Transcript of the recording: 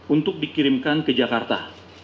untuk dikirimkan ke jakarta